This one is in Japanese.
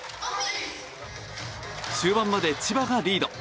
終盤まで千葉がリード。